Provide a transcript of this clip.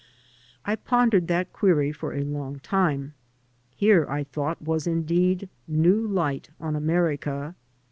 I pondered that query for a long time.! Here, I thought, was indeed new Kght on America.